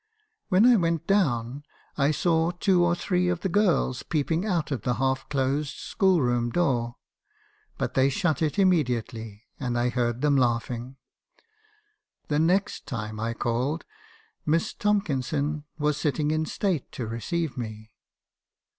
When I went down I saw two or three of the girls peeping out of the half closed school room door, but they shut it immediately, and I heard them laughing. The next time I called, Miss Tomkinson was sitting in state to re ceive me.